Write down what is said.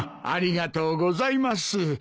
ありがとうございます。